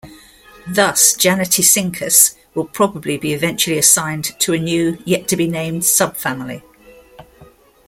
Thus, "Janetaescincus" will probably be eventually assigned to a new, yet-to-be-named subfamily.